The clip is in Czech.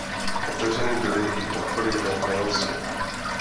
Otevřeny byly i obchody ve Walesu.